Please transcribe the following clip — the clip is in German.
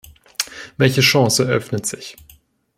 Welche Chance eröffnet sich?